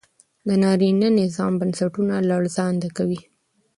د نارينه نظام بنسټونه لړزانده کوي